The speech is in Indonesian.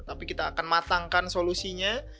tapi kita akan matangkan solusinya